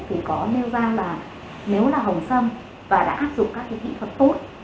thì có nêu ra là nếu là hồng sâm và đã áp dụng các cái kỹ thuật tốt